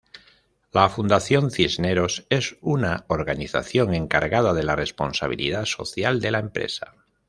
La Fundación Cisneros es una organización encargada de la responsabilidad social de la empresa.